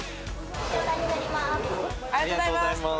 ありがとうございます。